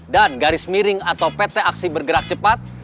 dan garis miring atau pt aksi bergerak cepat